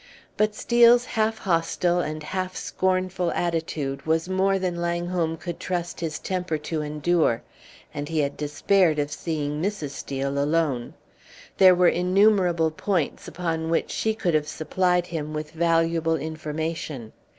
But Steel's half hostile and half scornful attitude was more than Langholm could trust his temper to endure, and he had despaired of seeing Mrs. Steel alone. There were innumerable points upon which she could have supplied him with valuable information.